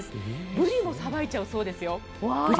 ブリもさばいちゃうそうですよ。